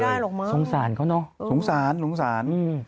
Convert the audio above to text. สงสารเขาเนอะสงสารสงสารอืม